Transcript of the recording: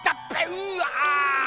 うわ。